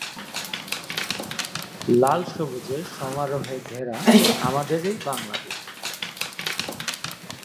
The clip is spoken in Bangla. এদের দু'টি প্রাতিষ্ঠানিক ভবন এবং একটি প্রশাসনিক ভবন।